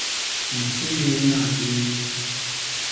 A nséyéé nañ yéé.